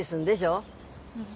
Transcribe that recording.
うん。